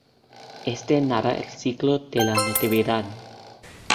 Este narra el ciclo de la Natividad.